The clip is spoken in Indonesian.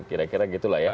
kira kira gitu lah ya